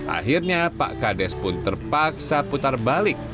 akhirnya pak kades pun terpaksa putar balik